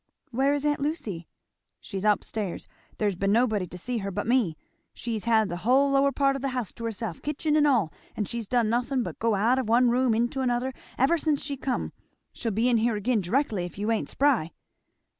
"Where is aunt Lucy?" "She's up stairs; there's been nobody to see to her but me. She's had the hull lower part of the house to herself, kitchen and all, and she's done nothing but go out of one room into another ever since she come. She'll be in here again directly if you ain't spry."